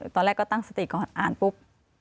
ตอนแรกก็ตั้งสติก่อนอ่านปุ๊บ